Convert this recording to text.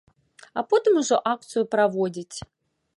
А потым ужо акцыю праводзіць.